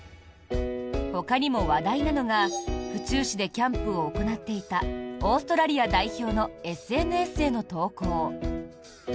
ほかにも話題なのが府中市でキャンプを行っていたオーストラリア代表のＳＮＳへの投稿。